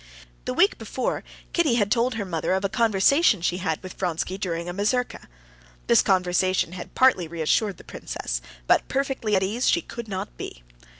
The week before, Kitty had told her mother of a conversation she had with Vronsky during a mazurka. This conversation had partly reassured the princess; but perfectly at ease she could not be.